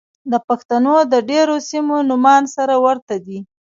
د پښتنو د ډېرو سيمو نومان سره ورته دي.